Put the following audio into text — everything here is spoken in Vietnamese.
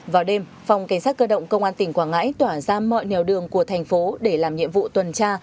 vào đêm phòng cảnh sát cơ động công an tỉnh quảng ngãi tỏa ra mọi nèo đường của thành phố để làm nhiệm vụ tuần tra